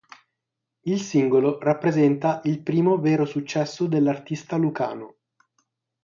Il singolo rappresenta il primo vero successo dell'artista lucano.